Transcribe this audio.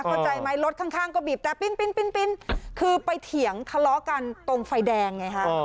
เข้าใจไหมรถข้างก็บีบแต่ปิ้นคือไปเถียงทะเลาะกันตรงไฟแดงไงฮะ